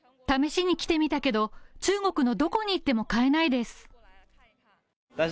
試しに来てみたけど、中国のどこに行っても買えないです。